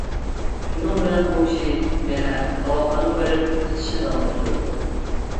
شۇنىڭ بىلەن ئۇ كىشى يەنە قاۋاقخانىغا بېرىپ، ئىچىشنى داۋاملاشتۇرىدۇ.